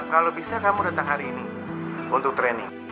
kalau bisa kamu datang hari ini untuk training